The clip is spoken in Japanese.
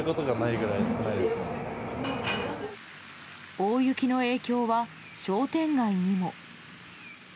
大雪の影響は商店街にも。